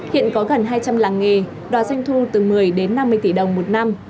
hiện có gần hai trăm linh làng nghề đòi doanh thu từ một mươi đến năm mươi tỷ đồng một năm